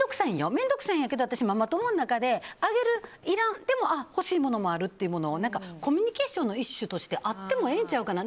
面倒くさいんやけど私、ママ友の中であげる、いらん、でも欲しいものもあるっていうのをコミュニケーションの一種としてあってもええんちゃうかな。